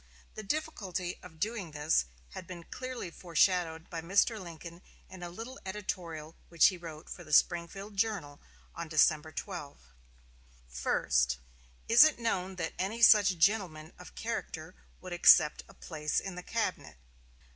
The difficulty of doings this had been clearly foreshadowed by Mr. Lincoln in a little editorial which he wrote for the Springfield "Journal" on December 12: "First. Is it known that any such gentleman of character would accept a place in the cabinet?